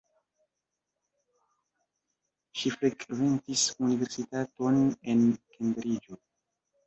Ŝi frekventis universitaton en Kembriĝo.